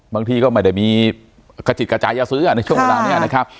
บางทีก็ไม่ได้มีกระจิตกระจายจะซื้อในช่วงเวลานี้นะครับ